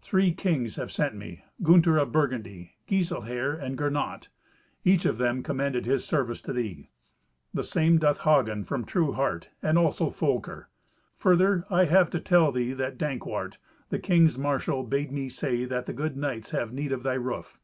"Three kings have sent me: Gunther of Burgundy, Giselher, and Gernot. Each of them commended his service to thee. The same doth Hagen from true heart, and also Folker. Further, I have to tell thee that Dankwart, the king's marshal, bade me say that the good knights have need of thy roof."